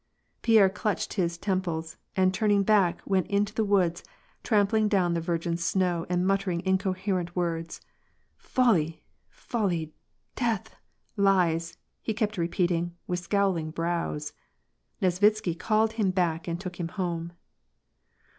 Pierre clutched his temples, and turning back, went into the woods, trampling down the virgin snow and muttering incoherent words, —Folly I Folly ! Death ! Lies "— he kept repeating, with scowling brows. Nesvitsky called him back and took him lionje.